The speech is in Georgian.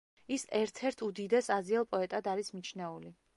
ის ერთ-ერთ უდიდეს აზიელ პოეტად არის მიჩნეული.